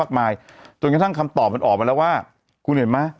จนกระทั่งคำตอบมันออกมาแล้วว่าคุณเห็นไหม